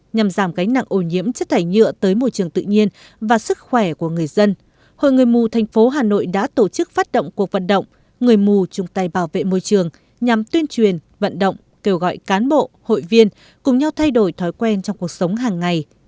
nhằm giảm gánh nặng ô nhiễm chất thải nhựa tới môi trường tự nhiên và sức khỏe của người dân hội người mù thành phố hà nội đã tổ chức phát động cuộc vận động người mù chung tay bảo vệ môi trường nhằm tuyên truyền vận động kêu gọi cán bộ hội viên cùng nhau thay đổi thói quen trong cuộc sống hàng ngày